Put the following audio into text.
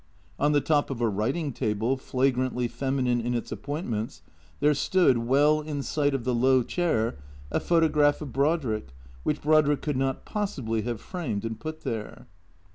On the top of a writing table, flagrantly feminine in its appointments, there stood, well in sight of the low chair, a photograph of Brodrick which Brodrick could not possibly have framed and put there.